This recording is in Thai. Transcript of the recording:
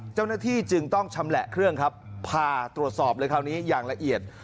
เจ้าหน้าที่จึงต้องชำแหละเครื่องครับพาตรวจสอบเลยคราวนี้อย่างละเอียด